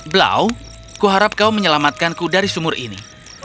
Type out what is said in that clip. blau kuharap kau menyelamatkanku dari sumur ini